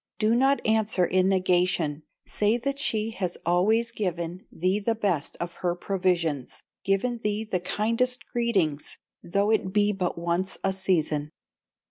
Do not answer in negation, Say that she has always given Thee the best of her provisions, Given thee the kindest greetings, Though it be but once a season.